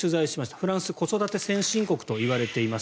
フランスは子育て先進国といわれています。